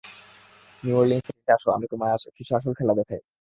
New অরলিন্সে আসো আমি তোমায় কিছু আসল খেলা দেখাই।